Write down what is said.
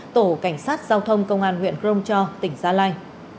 tổ cảnh sát giao thông công an huyện khromcho tỉnh gia lai